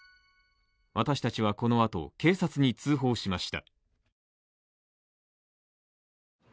私達はこの後、警察に通報しました。